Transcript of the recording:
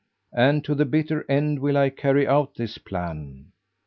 And to the bitter end will I carry out this plan."